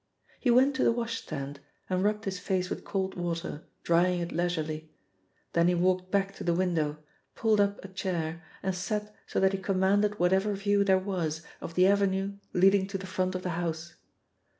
He went to the washstand, and rubbed his face with cold water, drying it leisurely. Then he walked back to the window, pulled up a chair and sat so that he commanded whatever view there was of the avenue leading to the front of the house.